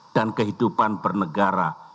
dan kehidupan bernegara